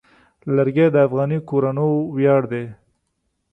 لرګی د افغاني کورنو ویاړ دی.